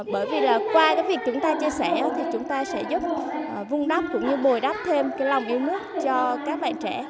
bởi vì là qua cái việc chúng ta chia sẻ thì chúng ta sẽ giúp vung đắp cũng như bồi đắp thêm cái lòng yêu nước cho các bạn trẻ